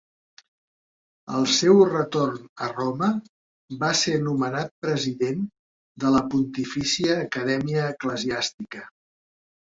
Al seu retorn a Roma, va ser nomenat president de la Pontifícia Acadèmia Eclesiàstica.